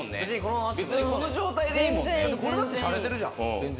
これだってシャレてるじゃん。